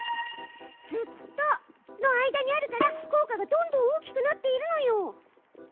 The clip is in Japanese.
「ずっと」の間にあるから効果がどんどん大きくなっているのよ！